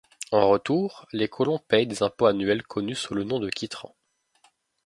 En retour, les colons payent des impôts annuels connus sous le nom de quitrents.